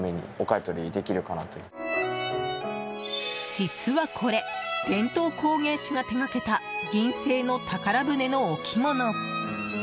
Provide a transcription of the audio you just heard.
実はこれ、伝統工芸士が手がけた銀製の宝船の置物。